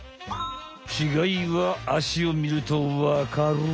ちがいはあしをみるとわかる。